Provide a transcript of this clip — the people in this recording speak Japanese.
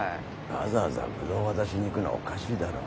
わざわざぶどう渡しに行くのはおかしいだろ。